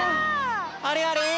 あれあれ？